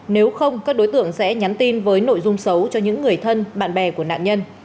nếu không các đối tượng sẽ nhắn tin với nội dung xấu cho những người thân bạn bè của nạn nhân